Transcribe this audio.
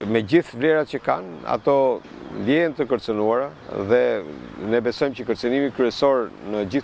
menurut mereka kemungkinan besar penyebabnya adalah urbanisasi dan perubahan iklim